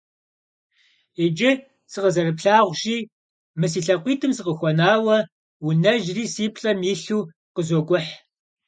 Иджы сыкъызэрыплъагъущи мы си лъакъуитӀым сыкъыхуэнауэ, уанэжьри си плӀэм илъу къызокӀухь.